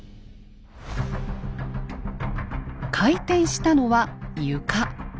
回転したのは「床」。